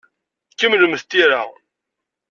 Kemmlem tira.